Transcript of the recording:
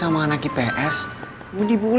kamu selalu bisa geliyor